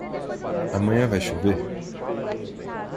Amanhã vai chover?